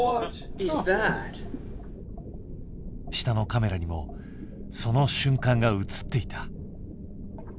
下のカメラにもその瞬間が映っていた。